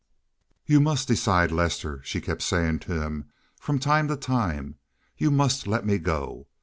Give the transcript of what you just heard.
"You must decide, Lester," she kept saying to him, from time to time. "You must let me go.